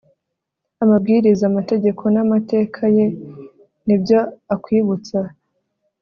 amabwiriza amategeko n amateka ye n'ibyo akwibutsa